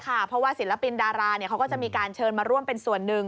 เพราะว่าศิลปินดาราเขาก็จะมีการเชิญมาร่วมเป็นส่วนหนึ่ง